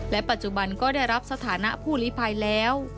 ปัจจุบันก็ได้รับสถานะผู้ลิภัยแล้ว